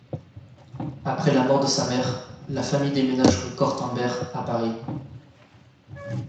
Après la mort de sa mère, la famille déménage rue Cortambert, à Paris.